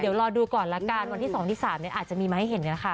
เดี๋ยวรอดูก่อนละกันวันที่๒ที่๓อาจจะมีมาให้เห็นนี่แหละค่ะ